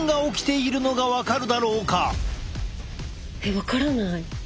分からない。